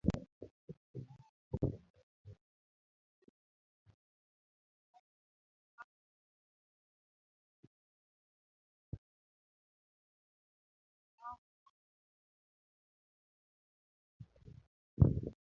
Nyasaye notamre nego jok ma onge ketho kaluwowechequran, negong'atomaokokosoenachielkuomrichomadongo